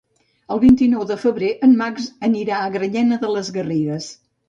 El vint-i-nou de febrer en Max anirà a Granyena de les Garrigues.